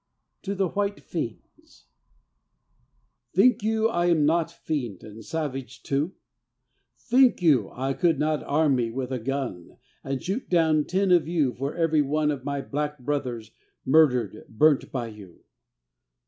TO THE WHITE FIENDS Think you I am not fiend and savage too? Think you I could not arm me with a gun And shoot down ten of you for every one Of my black brothers murdered, burnt by you?